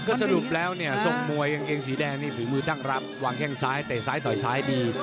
ก็สรุปแล้วเนี่ยทรงมวยกางเกงสีแดงนี่ฝีมือตั้งรับวางแข้งซ้ายเตะซ้ายต่อยซ้ายดี